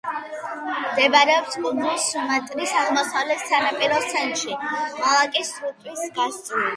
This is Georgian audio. მდებარეობს კუნძულ სუმატრის აღმოსავლეთ სანაპიროს ცენტრში, მალაკის სრუტის გასწვრივ.